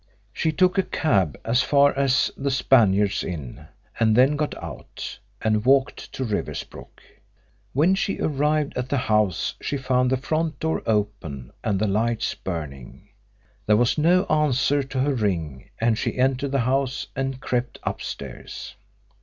She took a cab as far as the Spaniards Inn and then got out, and walked to Riversbrook. When she arrived at the house she found the front door open and the lights burning. There was no answer to her ring and she entered the house and crept upstairs.